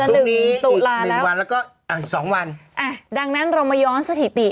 หนึ่งตุลาหนึ่งวันแล้วก็อ่ะสองวันอ่ะดังนั้นเรามาย้อนสถิติ